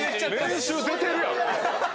年収出てるやん！